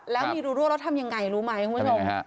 แล้วทำยังไงรู้ไหมคุณผู้ชม